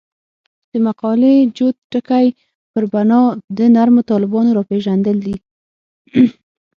د مقالې جوت ټکی پر بنا د نرمو طالبانو راپېژندل دي.